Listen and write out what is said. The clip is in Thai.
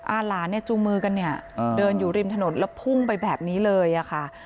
อาหลานจูมือกันเดินอยู่ริมถนนแล้วพุ่งไปแบบนี้เลยค่ะ